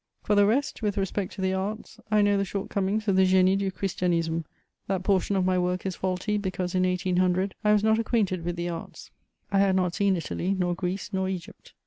For the rest, with respect to the arts, I know the shortcomings of the Génie du Christianisme; that portion of my work is faulty, because, in 1800, I was not acquainted with the arts: I had not seen Italy, nor Greece, nor Egypt.